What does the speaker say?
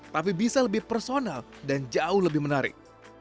tapi bisa lebih personal dan jauh lebih menarik